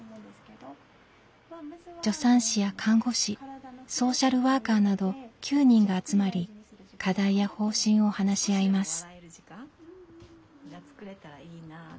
助産師や看護師ソーシャルワーカーなど９人が集まり課題や方針を話し合います。